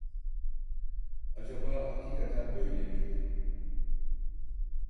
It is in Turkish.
Acaba hakikaten böyle miydi?